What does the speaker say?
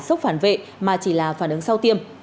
sốc phản vệ mà chỉ là phản ứng sau tiêm